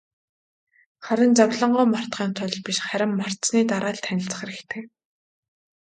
Харин зовлонгоо мартахын тулд биш, харин мартсаны дараа л танилцах хэрэгтэй.